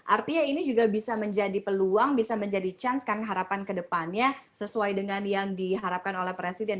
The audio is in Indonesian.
artinya ini juga bisa menjadi peluang bisa menjadi chance kan harapan kedepannya sesuai dengan yang diharapkan oleh presiden